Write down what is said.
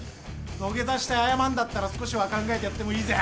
土下座して謝んだったら少しは考えてやってもいいぜ。